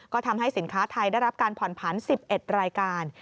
ก็ทำให้สินค้าไทยได้รับการผ่อนผัน๑๑รายการ